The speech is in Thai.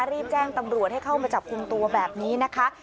รีบแจ้งตำรวจให้เข้ามาจับคุมตัวแบบนี้นะคะ